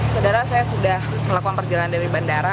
saudara saya sudah melakukan perjalanan dari bandara